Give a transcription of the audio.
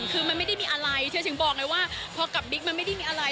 คือมันไม่ได้มีอะไรเธอถึงบอกเลยว่าพอกับบิ๊กมันไม่ได้มีอะไร